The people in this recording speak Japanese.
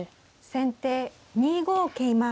先手２五桂馬。